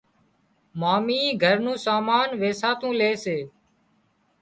مامي گھر نُون سامان ويساتو لي سي